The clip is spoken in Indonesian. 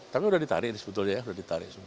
tapi sudah ditarik sebetulnya ya sudah ditarik semua